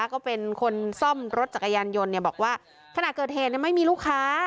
ก็เป็นคนซ่อมรถจักรยานยนต์เนี่ยบอกว่าขณะเกิดเหตุไม่มีลูกค้า